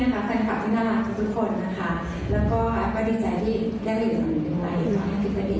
และได้เห็นแผ่นคอฟส์ที่น่ารักทุกคน